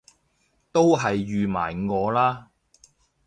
都係預埋我啦！